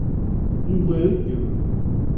Yuba iṛeggem.